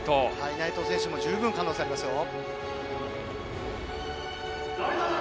内藤選手も十分、可能性がありますよ。